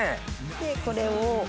でこれを。